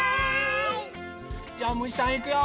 じゃあむしさんいくよ。